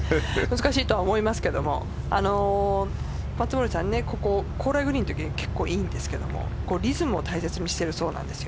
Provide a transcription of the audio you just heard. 難しいとは思いますが松森さん、高麗グリーンのとき結構いいんですがリズムを大切にしているそうなんです。